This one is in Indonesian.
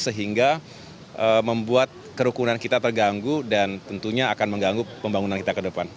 sehingga membuat kerukunan kita terganggu dan tentunya akan mengganggu pembangunan kita ke depan